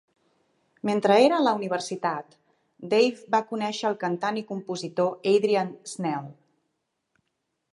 Mentre era a la universitat, Dave va conèixer el cantant i compositor Adrian Snell.